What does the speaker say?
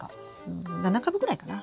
うん７株ぐらいかな。